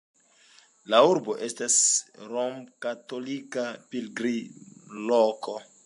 La urbo estas romkatolika pilgrimloko.